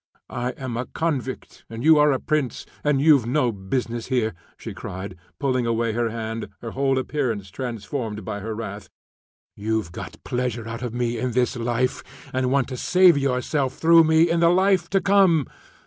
I am a convict and you a prince, and you've no business here," she cried, pulling away her hand, her whole appearance transformed by her wrath. "You've got pleasure out of me in this life, and want to save yourself through me in the life to come.